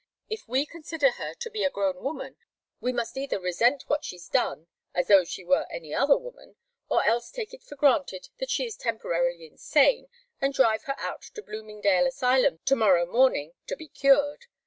If we consider her to be a grown woman, we must either resent what she's done as though she were any other woman or else take it for granted that she is temporarily insane, and drive her out to Bloomingdale Asylum to morrow morning to be cured.